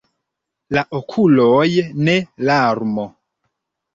La okuloj ne larmo.